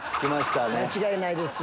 間違いないです。